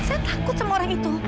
saya takut sama orang itu